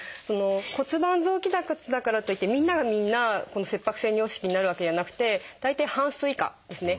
骨盤臓器脱だからといってみんながみんな切迫性尿失禁になるわけじゃなくて大体半数以下ですね。